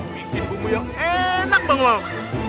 bikin bumbu yang enak bang mam